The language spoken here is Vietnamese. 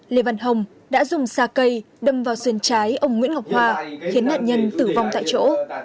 lê văn hồng đã dùng xà cây đâm vào sườn trái ông nguyễn ngọc hoa khiến nạn nhân tử vong tại chỗ